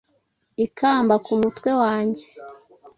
Ikamba ku mutwe wanjye